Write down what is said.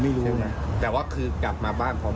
เกี่ยวกับลื้อรอบร่วม